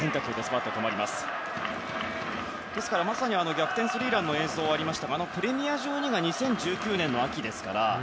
まさに逆転スリーランの映像がありましたがあのプレミア１２が２０１９年の秋ですから。